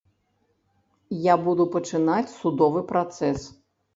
Я буду пачынаць судовы працэс.